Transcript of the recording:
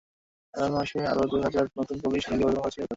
আগামী মাসে আরও দুই হাজার নতুন পুলিশ নিয়োগের পরিকল্পনা করছে সরকার।